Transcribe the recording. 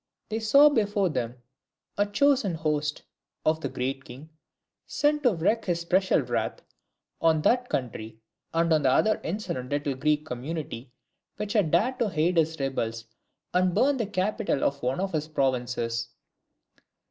They saw before them a chosen host of the Great King sent to wreak his special wrath on that country, and on the other insolent little Greek community, which had dared to aid his rebels and burn the capital of one of his provinces.